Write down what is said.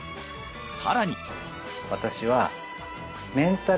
さらに！